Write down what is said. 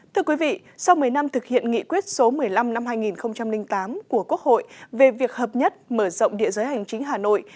thưa quý vị sau một mươi năm thực hiện nghị quyết số một mươi năm năm hai nghìn tám của quốc hội về việc hợp nhất mở rộng địa giới hành chính hà nội